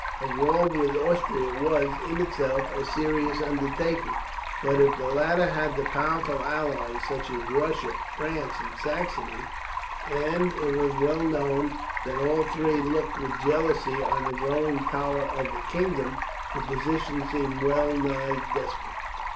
A war with Austria was, in itself, a serious undertaking; but if the latter had powerful allies, such as Russia, France, and Saxony and it was well known that all three looked with jealousy on the growing power of the kingdom the position seemed well nigh desperate.